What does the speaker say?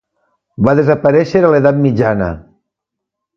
Va desaparèixer a l'edat mitjana.